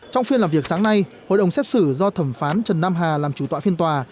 trong phiên làm việc sáng nay hội đồng xét xử do thẩm phán trần nam hà làm chủ tọa phiên tòa